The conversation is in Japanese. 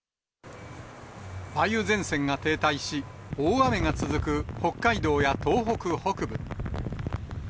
梅雨前線が停滞し、大雨が続く北海道や東北北部。